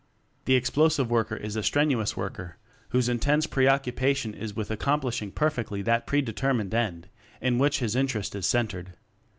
The Explosive Worker is a strenu ous worker whose intense preoccupa tion is with accomplishing perfectly that predetermined end in which his interest is centered.